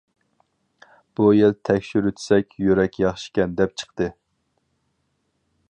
بۇ يىل تەكشۈرتسەك يۈرەك ياخشىكەن دەپ چىقتى.